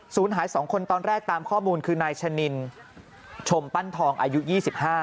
หายสองคนตอนแรกตามข้อมูลคือนายชะนินชมปั้นทองอายุยี่สิบห้า